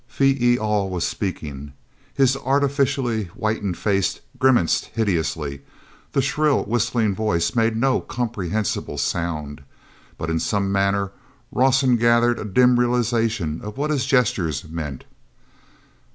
Phee e al was speaking. His artificially whitened face grimaced hideously; the shrill whistling voice made no comprehensible sound. But in some manner Rawson gathered a dim realization of what his gestures meant.